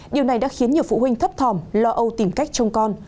điều này đã khiến nhiều phụ huynh thấp thòm lo âu tìm cách trông con